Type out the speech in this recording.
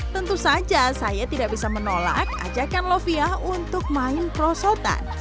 tentu saja saya tidak bisa menolak ajakan loviah untuk main perosotan